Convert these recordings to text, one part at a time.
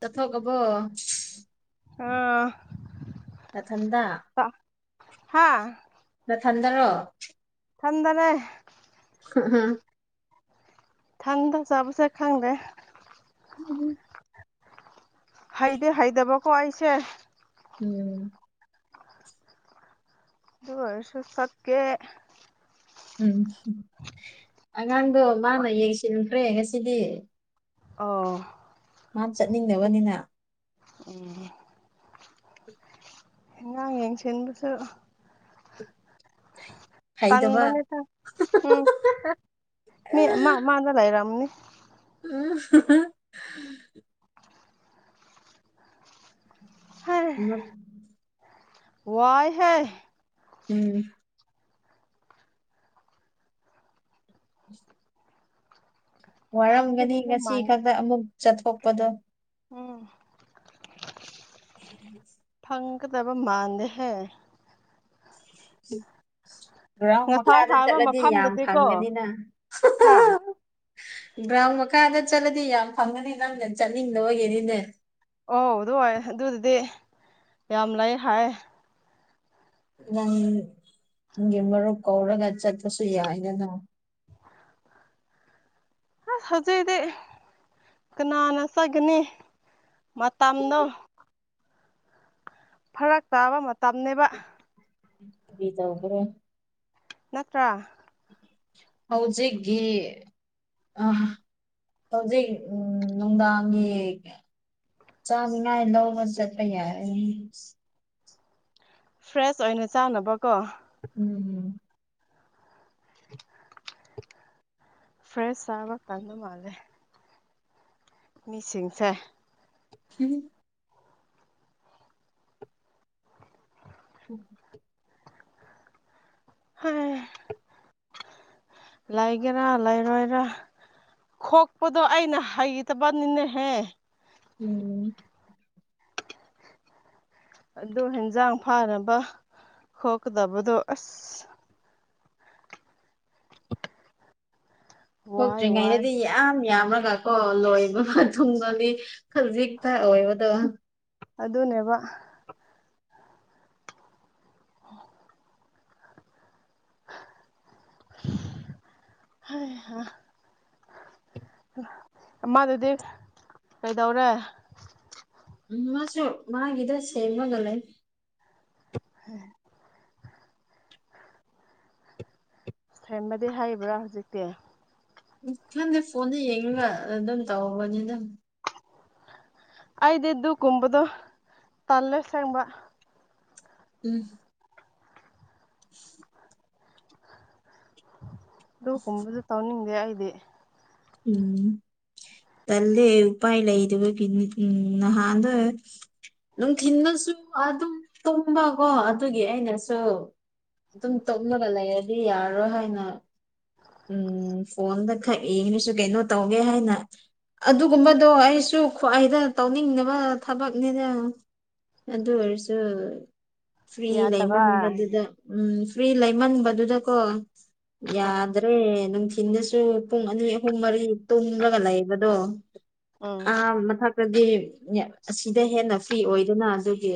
ꯇ ꯐ ꯀꯕꯣ [unintelligible] ꯑꯥ ꯅꯊꯟꯗ ꯍꯥ ꯅꯊꯟꯗꯔꯣ ꯊꯟꯗꯅꯦ ꯎꯝ ꯎꯝ [unintelligible] ꯊꯟꯗ ꯆꯥꯕꯁꯦ ꯈꯪꯗꯦ ꯎꯝ [unintelligible] ꯍꯩꯗꯤ ꯍꯩꯇꯕꯀꯣ ꯑꯩꯁꯦ ꯎꯝ ꯑꯗꯨ ꯑꯣꯏꯔꯁꯨ ꯁꯛꯀꯦ ꯎꯝ ꯑꯉꯥꯡꯗꯣ ꯃꯥꯅ ꯌꯦꯡꯁꯤꯟꯈ꯭ꯔꯦ ꯉꯁꯤꯗꯤ ꯑꯣ ꯃꯥꯅ ꯆꯠꯅꯤꯡꯗꯕꯅꯤꯅ ꯎꯝ ꯑꯉꯥꯡ ꯌꯦꯡꯁꯤꯟꯕꯁꯨ [inaudible] ꯇꯟꯕꯅꯦꯇ ꯎꯝ ꯃꯤ ꯃꯥ ꯃꯥꯗ ꯂꯩꯔꯝꯅꯤ ꯎ [unintelligible] ꯍꯩ ꯎ [unintelligible] ꯋꯥꯏꯍꯦ ꯎꯝ ꯋꯥꯔꯝꯒꯅꯤ ꯐꯪꯒꯗꯕ ꯉꯁꯤ ꯃꯥꯟꯗꯦ ꯈꯛꯇ ꯑꯃꯨꯛ ꯆꯠꯊꯣꯛꯄꯗꯣ ꯎꯝ ꯎꯝ [unintelligible] ꯐꯪꯒꯗꯕ ꯃꯥꯟꯗꯦꯍꯦ ꯎꯝ [unintelligible] ꯒ꯭ꯔꯥꯎꯟ ꯉꯁꯥꯏ ꯃꯈꯥꯗ ꯍꯥꯏꯕ ꯆꯠꯂꯗꯤ ꯌꯥꯝ ꯃꯐꯝꯗꯗꯤꯀꯣ ꯐꯪꯒꯅꯤꯅ ꯍꯥ ꯒ꯭ꯔꯥꯎꯟ ꯃꯈꯥꯗ ꯆꯠꯂꯗꯤ ꯌꯥꯝ ꯐꯪꯒꯅꯤ ꯅꯪꯗ ꯆꯠꯅꯤꯡꯗꯕꯒꯤꯅꯤꯅꯦ ꯑꯧ ꯑꯗꯨ ꯑꯣꯏ ꯑꯗꯨꯗꯤ ꯌꯥꯝ ꯂꯩ ꯍꯥꯏ ꯅꯪ ꯒꯤ ꯃꯔꯨꯞ ꯀꯧꯔꯒ ꯆꯠꯇꯄꯁꯨ ꯌꯥꯏꯗꯅ ꯑꯁ ꯍꯧꯖꯤꯛꯗꯤ ꯀꯅꯥꯅ ꯆꯠꯀꯅꯤ ꯃꯇꯝꯗꯣ ꯐꯔꯛ ꯇꯥꯕ ꯃꯇꯝꯅꯦꯕ ꯕꯤ ꯇꯧꯕ꯭ꯔꯣ ꯅꯠꯇ꯭ꯔꯥ ꯍꯧꯖꯤꯛ ꯒꯤ ꯑ ꯍꯧꯖꯤꯛ ꯎꯝ ꯅꯨꯡꯗꯥꯡꯒꯤ ꯆꯥꯅꯤꯉꯥꯏ ꯂꯧꯕ ꯆꯠꯄ ꯌꯥꯔꯦ ꯐ꯭ꯔꯦꯁ ꯑꯣꯏꯅ ꯆꯥꯅꯕ ꯀꯣ ꯎꯝ ꯎꯝ ꯐ꯭ꯔꯦꯁ ꯆꯥꯕ ꯇꯟꯕ ꯃꯥꯜꯂꯦ ꯃꯤꯁꯤꯡꯁꯦ ꯎꯝ [unintelligible] ꯎꯝ [unintelligible] ꯍꯥꯏ ꯂꯩꯒꯦꯔꯥ ꯂꯩꯔꯣꯏꯔꯥ ꯈꯣꯛꯄꯗꯣ ꯑꯩꯅ ꯍꯩꯇꯕꯅꯤꯅꯦꯍꯦ ꯎꯝ ꯑꯗꯨ ꯍꯟꯖꯥꯡ ꯐꯥꯅꯕ ꯈꯣꯀꯗꯕꯗꯣ ꯑꯁ ꯋꯥꯏ ꯋꯥꯏ ꯊꯣꯛꯇ꯭ꯔꯤꯉꯩꯗꯗꯤ ꯌꯥꯝ ꯌꯥꯝꯃꯒ ꯀꯣ ꯂꯣꯏꯕ ꯃꯇꯨꯡꯗꯗꯤ ꯈꯜꯖꯤꯛꯇ ꯑꯣꯏꯣꯕꯗꯣ ꯑꯗꯨꯅꯦꯕ [unintelligible] [unintelligible] ꯍꯥ [unintelligible] ꯑꯃꯥꯗꯨꯗꯤ ꯀꯩꯗꯧꯔꯦ ꯎꯝ ꯃꯥꯁꯨ ꯃꯥꯒꯤꯗ ꯁꯦꯡꯕꯒ ꯂꯩ [unintelligible] ꯊ꯭ꯔꯦꯝꯃꯗꯤ ꯍꯥꯏꯔꯤꯕ꯭ꯔꯥ ꯍꯧꯖꯤꯛꯇꯤ ꯎꯝ ꯈꯪꯗꯦ ꯐꯣꯟꯗ ꯌꯦꯡꯉꯒ ꯑꯗꯨꯝ ꯇꯧꯕꯅꯤ ꯗ ꯑꯩꯗꯤ ꯑꯗꯨꯒꯨꯝꯕꯗꯨ ꯇꯟꯂꯦ ꯑꯁꯦꯡꯕ ꯎꯝ [inaudible] ꯑꯗꯨꯀꯨꯝꯕꯗꯣ ꯇꯧꯅꯤꯡꯗꯦ ꯑꯩꯗꯤ ꯎꯝ ꯇꯟꯂꯦ ꯎꯄꯥꯏ ꯂꯩꯗꯕꯒꯤꯅꯤ ꯎꯝ ꯅꯍꯥꯟꯗꯣ ꯅꯨꯡꯊꯤꯗꯁꯨ ꯑꯗꯨꯝ ꯇꯨꯝꯕꯀꯣ ꯑꯗꯨꯒꯤ ꯑꯩꯅꯁꯨ ꯑꯗꯨꯝ ꯇꯨꯝꯅꯒ ꯂꯩꯔꯗꯤ ꯌꯥꯔꯣꯏ ꯍꯥꯏꯅ ꯎꯝ ꯐꯣꯟꯗ ꯈꯛ ꯌꯦꯡꯉꯅꯁꯨ ꯀꯩꯅꯣ ꯇꯧꯒꯦ ꯍꯥꯏꯅ ꯑꯗꯨꯒꯨꯝꯕꯗꯣ ꯑꯩꯁꯨ ꯈ꯭ꯋꯥꯏꯗ ꯇꯧꯅꯤꯡꯗꯕ ꯊꯕꯛꯅꯤꯗ ꯑꯗꯨ ꯑꯣꯏꯔꯁꯨ ꯐ꯭ꯔꯤ ꯌꯥꯗꯕ ꯂꯩꯃꯟꯕꯗꯨꯗ ꯎꯝ ꯐ꯭ꯔꯤ ꯂꯩꯃꯟꯕꯗꯨꯗ ꯀꯣ ꯎꯝ ꯌꯥꯗ꯭ꯔꯦ ꯅꯪ ꯊꯤꯟꯗꯁꯨ ꯄꯨꯡ ꯑꯅꯤ ꯑꯍꯨꯝ ꯃꯔꯤ ꯇꯨꯝꯂꯒ ꯂꯩꯕꯗꯣ ꯎꯝ ꯑꯥ ꯃꯊꯛ ꯍꯥꯏꯗꯤ ꯑꯁꯤꯗ ꯍꯦꯟꯅ ꯐ꯭ꯔꯤ ꯑꯣꯏꯗꯅ ꯑꯗꯨꯒꯤ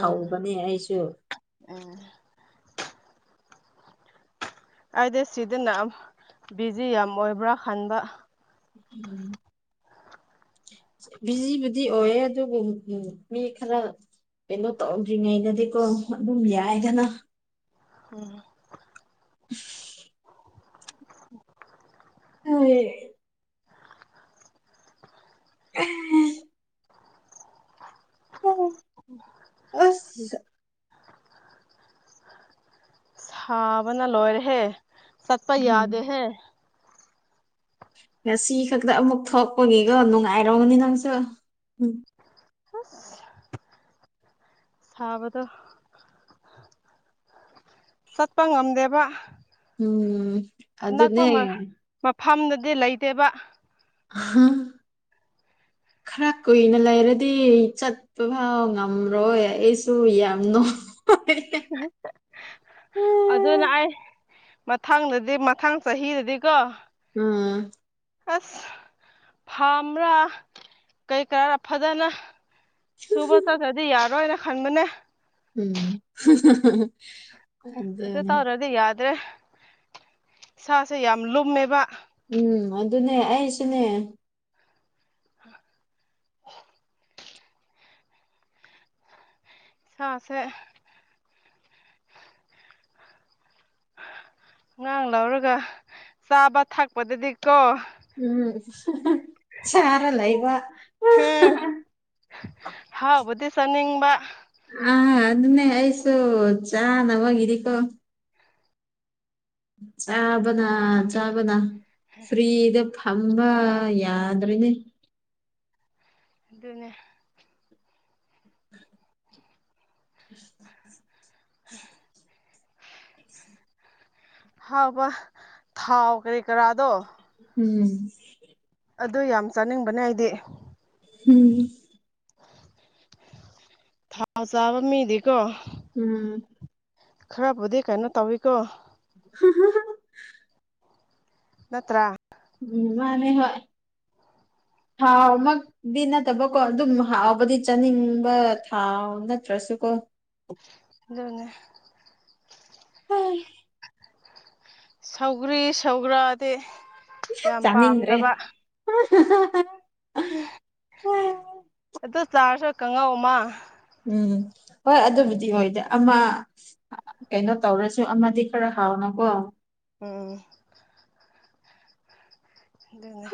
ꯍꯧꯕꯅꯦ ꯑꯩꯁꯨ ꯑ ꯑꯩꯗꯤ ꯁꯤꯗꯅ ꯑꯃꯨꯛ ꯕꯤꯖꯤ ꯌꯥꯝ ꯑꯣꯏꯕ꯭ꯔꯥ ꯈꯟꯕ [inaudible] ꯕꯤꯖꯤꯕꯨꯗꯤ ꯑꯣꯏꯌꯦ ꯑꯗꯨꯒ ꯎ ꯃꯤ ꯈꯔ ꯀꯩꯅꯣ ꯇꯧꯗ꯭ꯔꯤꯉꯩꯗꯗꯤꯀꯣ ꯑꯗꯨꯝ ꯌꯥꯏꯗꯅ ꯎꯝ [inaudible] [inaudible] [unintelligible] [unintelligible] ꯑꯁ [inaudible] ꯁꯥꯕꯅ ꯂꯣꯏꯔꯦꯍꯦ ꯆꯠꯄ ꯎꯝ ꯌꯥꯗꯦꯍꯦ ꯉꯁꯤ ꯈꯛꯇ ꯑꯃꯨꯛ ꯊꯣꯛꯄꯒꯤꯀꯣ ꯅꯨꯡꯉꯥꯏꯔꯝꯒꯅꯤ ꯅꯪꯁꯨ ꯍꯁ ꯁꯥꯕꯗꯣ ꯆꯠꯄ ꯉꯝꯗꯦꯕ ꯎꯝ ꯑꯅꯛꯄ ꯑꯗꯨꯅꯦ ꯃ ꯃꯐꯝꯗꯗꯤ ꯂꯩꯇꯦꯕ [unintelligible] [inaudible] ꯈꯔ ꯀꯨꯏꯅ ꯂꯩꯔꯗꯤ ꯆꯠꯄ ꯐꯥꯎ ꯉꯝꯔꯣꯏ ꯑꯩꯁꯨ ꯌꯥꯝ ꯅꯣꯏ [unintelligible] ꯑꯗꯨꯅ ꯎꯝ ꯑꯩ ꯃꯊꯪꯗꯗꯤ ꯃꯊꯪ ꯆꯍꯤꯗꯗꯤꯀꯣ ꯎꯝ ꯑꯁ ꯐꯥꯝꯔꯥ ꯀꯩ ꯀꯩꯔꯥ ꯐꯖꯅ ꯁꯨꯕ ꯆꯠꯇ꯭ꯔꯗꯤ ꯌꯥꯔꯣꯏꯅ ꯈꯟꯕꯅꯦ ꯎꯝ ꯑꯗꯨ ꯑꯗꯨꯅꯦ ꯇꯧꯔꯗꯤ ꯌꯥꯗ꯭ꯔꯦ ꯏꯁꯥꯁꯦ ꯌꯥꯝ ꯂꯨꯝꯃꯦꯕ ꯎꯝ ꯑꯗꯨꯅꯦ ꯑꯩꯁꯨꯅꯦ ꯁꯥ ꯁꯦ ꯑꯉꯥꯡ ꯂꯧꯔꯒ ꯆꯥꯕ ꯊꯛꯄꯗꯗꯤ ꯀꯣ ꯎꯝ ꯆꯥꯔ ꯂꯩꯕ ꯍꯥꯎꯕꯇ ꯆꯥꯅꯤꯡꯕ ꯑ ꯑꯗꯨꯅꯦ ꯑꯁꯨ ꯆꯥꯅꯕꯒꯤꯗꯤꯀꯣ ꯆꯥꯕꯅ ꯆꯥꯕꯅ ꯐ꯭ꯔꯤꯗ ꯊꯝꯕ ꯌꯥꯗ꯭ꯔꯦꯅꯦ ꯗꯨꯅꯦ [inaudible] [inaudible] ꯍꯥꯎꯕ ꯊꯥꯎ ꯀꯔꯤ ꯀꯥꯔꯥꯗꯣ ꯎꯝ ꯑꯗꯨ ꯌꯥꯝ ꯆꯥꯅꯤꯡꯕꯅꯦ ꯑꯩꯗꯤ ꯎꯝ ꯊꯥꯎ ꯆꯥꯕ ꯃꯤꯗꯤꯀꯣ ꯎꯝ ꯈꯔꯕꯨꯗꯤ ꯀꯩꯅꯣ ꯇꯧꯋꯤꯀꯣ [inaudible] ꯅꯠꯇ꯭ꯔꯥ ꯎꯝ ꯃꯥꯟꯅꯦ ꯍꯣꯏ ꯊꯥꯎ ꯃꯛ ꯗꯤ ꯅꯠꯇꯕꯀꯣ ꯑꯗꯨꯝ ꯍꯥꯎꯕꯗꯤ ꯆꯥꯅꯤꯡꯕ ꯊꯥꯎ ꯅꯠꯇ꯭ꯔꯁꯨ ꯀꯣ ꯗꯨꯅꯦ ꯍꯩ ꯁꯧꯒ꯭ꯔꯤ ꯁꯧꯒ꯭ꯔꯥꯗꯤ ꯌꯥꯝ ꯆꯥꯅꯤꯡꯗ꯭ꯔꯦ ꯄꯥꯝꯗꯕ ꯑꯗꯨ ꯆꯥꯔꯁꯨ ꯀꯪꯉꯧ ꯑꯃ ꯎꯝ ꯍꯣꯏ ꯑꯗꯨꯕꯨꯗꯤ ꯑꯣꯏꯗ ꯑꯃ ꯀꯩꯅꯣ ꯇꯧꯔꯁꯨ ꯑꯃꯗꯤ ꯈꯔ ꯍꯥꯎꯅꯀꯣ ꯎꯝ ꯑꯗꯨꯅꯦ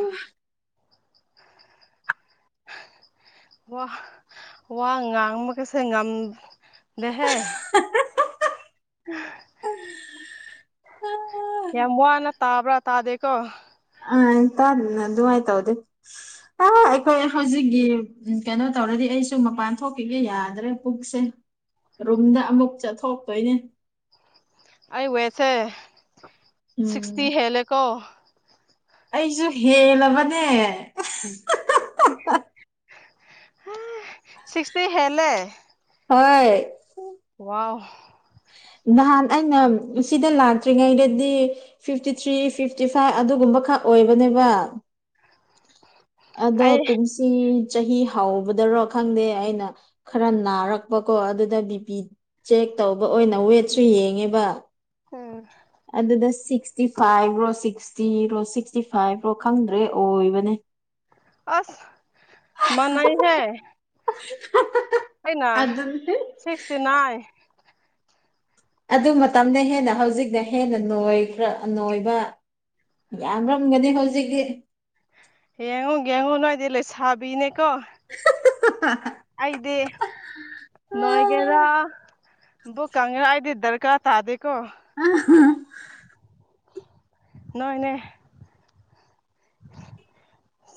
ꯋꯥ ꯋꯥ ꯉꯥꯡꯕ ꯒꯥꯁꯦ ꯉꯝꯗꯦꯍꯦ [unintelligible] ꯎꯝ [unintelligible] ꯌꯥꯝ ꯋꯅꯥ ꯇꯥꯕ꯭ꯔꯥ ꯇꯥꯗꯦꯀꯣ ꯑ ꯇꯥꯅꯑꯗꯨꯃꯥꯏ ꯇꯧꯔꯗꯤ ꯑ ꯑꯩꯈꯣꯏ ꯍꯧꯖꯤꯛꯒꯤ [unintelligible] ꯎꯝ ꯀꯩꯅꯣ ꯇꯧꯔꯗꯤ ꯑꯩꯁꯨ ꯃꯄꯥꯟ ꯊꯣꯛꯈꯤꯒꯦ ꯌꯥꯗ꯭ꯔꯦ ꯄꯨꯛꯁꯦ꯫ ꯔꯨꯝꯗ ꯑꯃꯨꯛ ꯆꯠꯊꯣꯛꯇꯣꯏꯅꯦ ꯑꯩ ꯋꯦꯠꯁꯦ ꯎꯝ ꯁꯤꯛꯁꯇꯤ ꯍꯦꯜꯂꯦꯀꯣ ꯑꯩꯁꯨ ꯍꯦꯜꯂꯕꯅꯦ ꯁꯤꯛꯁꯇꯤ ꯍꯦꯜꯂꯦ ꯍꯣꯏ ꯋꯥꯎ ꯅꯍꯥꯟ ꯑꯩꯅ ꯁꯤꯗ ꯂꯥꯛꯇ꯭ꯔꯤꯉꯩꯗꯗꯤ ꯐꯤꯐꯇꯤ ꯊ꯭ꯔꯤ ꯐꯤꯐꯇꯤ ꯐꯥꯏꯚ ꯑꯗꯨꯒꯨꯝꯕ ꯈꯛ ꯑꯣꯏꯕꯅꯦꯕ [inaudible] ꯑꯗꯣ ꯀꯨꯝꯁꯤ ꯆꯍꯤ ꯍꯥꯎꯕꯗꯔꯣ ꯈꯪꯗꯦ ꯑꯩꯅ ꯈꯔ ꯅꯥꯔꯛꯄꯀꯣ ꯑꯗꯨꯗ ꯕꯤ ꯄꯤ ꯆꯦꯛ ꯇꯧꯕ ꯑꯣꯏꯅ ꯋꯦꯠꯁꯨ ꯌꯦꯡꯉꯦꯕ ꯎꯝ ꯑꯗꯨꯗ ꯁꯤꯛꯁꯇꯤ ꯐꯥꯏꯚꯔꯣ ꯁꯤꯛ ꯁꯤꯛꯁꯇꯤꯔꯣ ꯁꯤꯛꯁꯇꯤ ꯐꯥꯏꯚꯔꯣ ꯈꯪꯗ꯭ꯔꯦ ꯑꯣꯏꯕꯅꯦ ꯑꯁ ꯃꯅꯩꯍ‌ꯦ [unintelligible] ꯑꯩꯅ ꯑꯗꯨꯅꯦ ꯁꯤꯛꯁꯇꯤ ꯅꯥꯏꯟ ꯑꯗꯨ ꯃꯇꯝꯗ ꯍꯦꯟꯅ ꯍꯧꯖꯤꯛꯅ ꯍꯦꯟꯅ ꯅꯣꯏꯕ꯭ꯔꯥ ꯅꯣꯏꯕ ꯌꯥꯝꯔꯝꯒꯅꯤ ꯍꯧꯖꯤꯛꯀꯤ ꯌ‌ꯦꯡꯉꯨ ꯌ‌ꯦꯡꯉꯨ ꯅꯣꯏꯗꯤ ꯂꯩꯁꯕꯤꯅꯦꯀꯣ [unintelligible] ꯑꯩꯗꯤ ꯅꯣꯏꯒꯦꯔꯥ ꯄꯨꯛꯀꯪꯒꯦꯔꯥ ꯑꯩꯗꯤ ꯗꯔꯀꯥ ꯇꯥꯗꯦꯀꯣ [unintelligible] ꯅꯣꯏꯅꯦ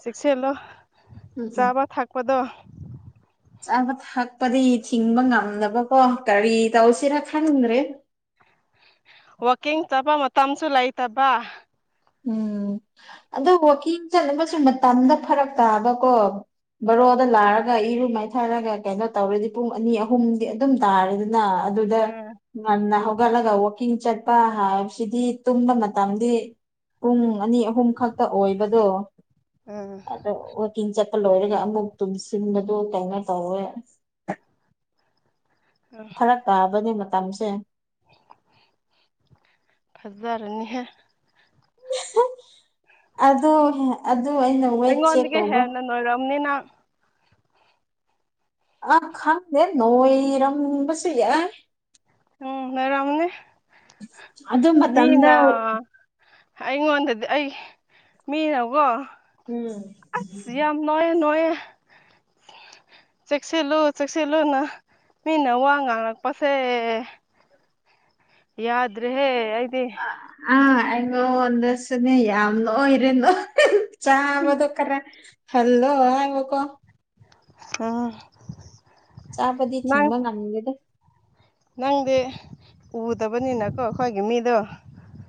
ꯆꯦꯛꯁꯤꯜꯂꯣ ꯎꯝ ꯎꯝ ꯆꯥꯕ ꯊꯛꯄꯗꯣ ꯆꯥꯕ ꯊꯛꯄꯗꯤ ꯊꯤꯡꯕ ꯉꯝꯗꯕꯀꯣ ꯀꯔꯤ ꯇꯧꯁꯤꯔ ꯈꯪꯗ꯭ꯔꯦ ꯋꯀꯤꯡ ꯆꯠꯄ ꯃꯇꯝꯁꯨ ꯂꯩꯇꯕ ꯎꯝ ꯑꯗꫭ ꯋꯀꯤꯡ ꯆꯠꯅꯕꯁꯨ ꯃꯇꯝꯗꫭ ꯐꯔꯛ ꯇꯥꯕꯀꯣ ꯕꯣꯔꯣꯗ ꯂꯥꯛꯒ ꯏꯔꯨ ꯃꯥꯏꯊꯔꯒ ꯀꯩꯅꯣ ꯇꯧꯔꯗꯤ ꯄꯨꯡ ꯑꯅꯤ ꯑꯍꯨꯝꯗꯤ ꯑꯗꯨꯝ ꯇꯥꯔꯅꯤ ꯅ ꯑꯗꯨꯗ ꯎꯝ ꯉꯟꯅ ꯍꯧꯒꯂꯒ ꯋꯥ ꯋꯥꯀꯤꯡ ꯆꯠꯄ ꯍꯥꯏꯕꯁꯤꯗꯤ ꯇꯨꯝꯕ ꯃꯇꯝꯗꯤ ꯄꯨꯡ ꯑꯅꯤ ꯑꯍꯨꯝ ꯈꯛꯇ ꯑꯣꯏꯕꯗꯣ ꯎꯝ ꯑꯗꯣ ꯋꯥꯀꯤꯡ ꯆꯠꯄ ꯂꯣꯏꯔꯒ ꯑꯃꯨꯛ ꯇꯨꯝꯁꯤꯟꯕꯗꯨ ꯀꯩꯅꯣ ꯇꯧꯔꯦ [inaudible] ꯐꯔꯛ ꯇꯥꯕꯅꯦ ꯃꯇꯝꯁꯦ ꯐꯖꯥꯔꯅꯤꯍ‌ꯦ ꯑꯗꯣ ꯑꯗꯣꯑꯩꯅ ꯑꯩꯉꯣꯟꯗꯒꯤ ꯍꯦꯟꯅ ꯅꯣꯏꯔꯝꯅꯤ ꯅꯪ ꯑ ꯈꯪꯗꯦ ꯅꯣꯏꯔꯝꯕꯁꯨ ꯌꯥꯏ ꯎꯝ ꯂꯩꯔꯝꯅꯤ ꯑꯗꯨ ꯃꯇꯝꯗ ꯃꯤꯅ ꯑꯩꯉꯣꯟꯗꯗꯤ ꯑꯩ ꯃꯤꯅꯀꯣ ꯎꯝ ꯅꯣꯌꯦ ꯅꯣꯌꯦ ꯆꯦꯛꯁꯤꯜꯂꯨ ꯆꯦꯛꯁꯤꯜꯂꯨꯅ ꯃꯤꯅ ꯋꯥ ꯉꯥꯡꯂꯛꯄꯁꯦ ꯌꯥꯗ꯭ꯔꯦ ꯍꯦ ꯑꯩꯗꯤ ꯑꯥ ꯑꯩꯉꯣꯟꯗꯁꯨꯅꯦ ꯌꯥꯝ ꯅꯣꯏꯔꯦ ꯅꯣꯏꯔꯦ ꯆꯥꯕꯗꯣ ꯈꯔ ꯍꯜꯂꯣ ꯍꯥꯏꯕꯀꯣ ꯑꯣ ꯆꯥꯕꯗꯤ ꯊꯤꯡꯕ ꯉꯝꯗꯦꯗ ꯅꯪꯗꯤ ꯎꯗꯕꯅꯤꯅꯀꯣ ꯑꯩꯈꯣꯏꯒꯤ ꯃꯤꯗꯣ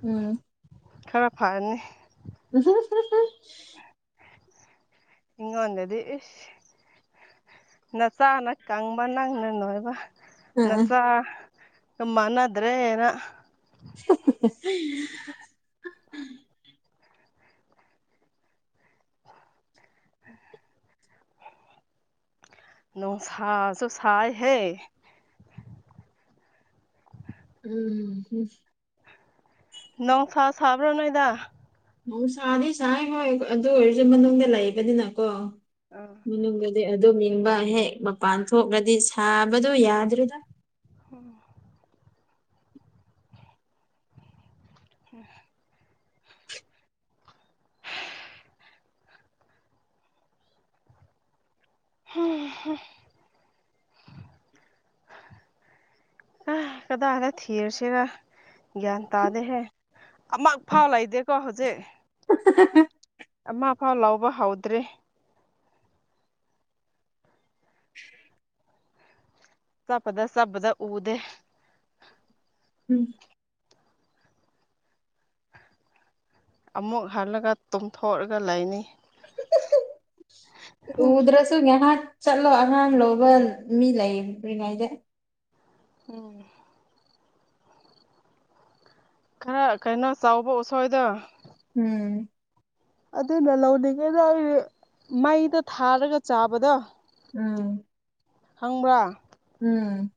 ꯎꯝ ꯈꯔ ꯐꯥꯔꯅꯤ [unintelligible] ꯑꯩꯉꯣꯟꯗꯗꯤ ꯏꯁ‌‌ꯅꯆꯥꯅ ꯀꯪꯕ ꯅꯪꯅ ꯅꯣꯏꯕ꯫ ꯑ ꯑ ꯅꯆꯥꯒ ꯃꯥꯟꯅꯗ꯭ꯔꯦꯅ [unintelligible] ꯅꯣꯡꯁꯁꯨ‌ꯁꯥꯏ ꯍꯦ ꯎꯝꯍꯨꯝ ꯅꯣꯡ ꯁꯥ ꯁꯥꯕ꯭ꯔꯣ ꯅꯣꯏꯗ ꯅꯨꯡꯁꯥꯗꯤ ꯁꯥꯏ ꯍꯣꯏ ꯑꯗꯨ ꯑꯣꯏꯔꯁꯨ ꯃꯅꯨꯡꯗ ꯂꯩꯕꯅꯤꯅꯀꯣ ꯑꯥ ꯃꯅꯨꯡꯗꯗꯤ ꯑꯗꯨꯝ ꯏꯪꯕ ꯍꯦꯛ ꯃꯄꯥꯟ ꯊꯣꯛꯂꯗꯤ ꯁꯥꯕꯗꯨ ꯌꯥꯗ꯭ꯔꯦꯗ ꯎꯝ ꯎꯝ ꯍꯦ ꯑꯥ ꯀꯗꯥꯏꯗ ꯊꯤꯔꯁꯤꯒ ꯒ꯭ꯌꯥꯟ ꯇꯥꯗꯦꯍꯦ ꯑꯃꯨꯛ ꯐꯥꯎ ꯂꯩꯇꯦꯀꯣ ꯍꯧꯖꯤꯛ [unintelligible] ꯑꯃ ꯐꯥꯎ ꯂꯧꯕ ꯍꯧꯗ꯭ꯔꯤ ꯆꯞꯄꯗ ꯆꯞꯄꯗ ꯎꯗꯦ ꯎꯝ ꯑꯃꯨꯛ ꯍꯜꯂꯒ ꯇꯨꯝꯊꯣꯛꯑꯒ ꯂꯩꯅꯤ ꯎꯗ꯭ꯔ ꯁꯨ ꯇꯄ ꯉꯥꯏꯍꯥꯛ ꯆꯠꯂꯣ ꯑꯉꯥꯡ ꯂꯧꯕ ꯃꯤ ꯂꯩꯔꯤꯉꯩꯗ ꯎꯝ ꯈꯔ ꯀꯩꯅꯣ ꯆꯥꯎꯕ ꯎꯁꯣꯏꯗ ꯎꯝ ꯑꯗꯨꯅ ꯂꯧꯅꯤꯡꯉꯦꯗ ꯑꯩ ꯃꯩꯗ ꯊꯥꯔꯒ ꯆꯥꯕꯗꯣ ꯎꯝ ꯈꯪꯕ꯭ꯔꯥ ꯎꯝ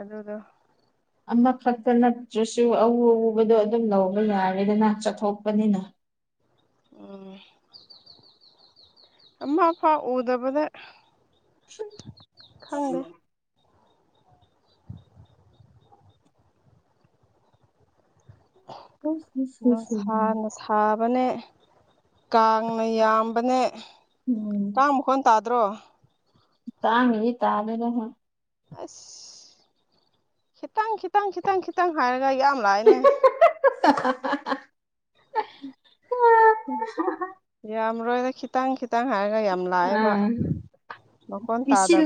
ꯑꯗꯨꯗꯣ ꯑꯃꯈꯛꯇ ꯅꯠꯇ꯭ꯔꯁꯨ ꯑꯎ ꯑꯎꯕꯗꯣ ꯑꯗꯨꯝ ꯂꯧꯕ ꯌꯥꯔꯦꯗꯏ ꯆꯠꯊꯣꯛꯄꯅꯤꯅ ꯑꯣꯏ ꯃꯥ ꯐꯥꯎ ꯎꯗꯕꯗ ꯈꯪꯗꯦ [inaudible] ꯅꯨꯡꯁꯥꯅ ꯁꯥ ꯁꯥꯕꯅꯦ ꯀꯥꯡꯅ ꯌꯥꯝꯕꯅꯦ ꯎꯝ [unintelligible] ꯃꯈꯣꯟ ꯇꯥꯗ꯭ꯔꯣ [unintelligible] ꯑꯁ ꯈꯤꯇꯪ ꯈꯤꯇꯪ ꯈꯤꯇꯪ ꯈꯤꯇꯪ ꯍꯥꯏꯔꯒ ꯌꯥꯝ ꯂꯥꯛꯑꯏꯅꯦ [inaudible] ꯌꯥꯝꯃꯔꯣꯜꯏꯗ ꯈꯤꯇꯪ ꯈꯤꯠ ꯈꯤꯇꯪ ꯍꯥꯏꯔꯒ ꯌꯥꯝ ꯂꯥꯛꯑꯦꯕ ꯑꯥ ꯃꯀꯣꯟ ꯄꯤꯁꯤꯜꯂꯣ ꯇꯥꯗꯕ꯭ꯔꯥ